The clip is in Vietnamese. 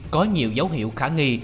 có nhiều dấu hiệu khả nghi